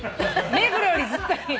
目黒よりずっといい。